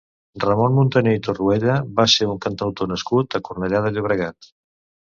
Ramon Muntaner i Torruella va ser un cantautor nascut a Cornellà de Llobregat.